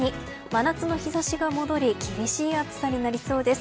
真夏の日差しが戻り厳しい暑さになりそうです。